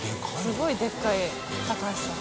すごいでかい高橋さん。